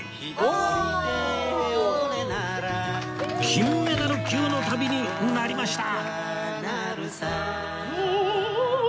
金メダル級の旅になりました